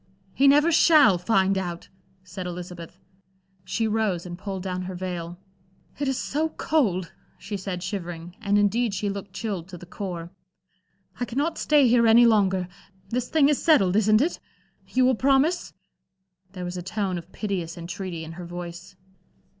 "He never shall find out," said Elizabeth. She rose and pulled down her veil. "It is so cold," she said shivering, and indeed she looked chilled to the core. "I cannot stay here any longer. This thing is settled, isn't it? You will promise?" There was a tone of piteous entreaty in her voice.